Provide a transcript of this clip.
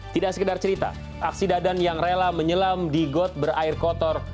tidak sekedar cerita aksi dadan yang rela menyelam di got berair kotor